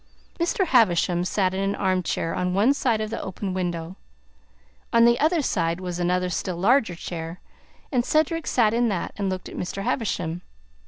Mr. Havisham sat in an arm chair on one side of the open window; on the other side was another still larger chair, and Cedric sat in that and looked at Mr. Havisham.